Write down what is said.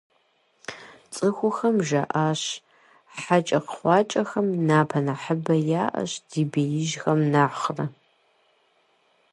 ЦӀыхухэм жаӀащ: - ХьэкӀэкхъуэкӀэхэм напэ нэхъыбэ яӀэщ, ди беижьхэм нэхърэ!